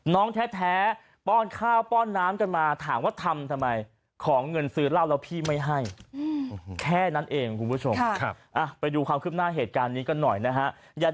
น้องแท้ป้อนข้าวป้อนน้ำกันมาถามว่าทำทำไมขอเงินซื้อเหล้าแล้วพี่ไม่ให้แค่นั้นเองคุณผู้ชมไปดูความคืบหน้าเหตุการณ์นี้กันหน่อยนะฮะ